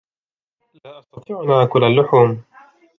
لا أستطيع أن آكل اللحوم.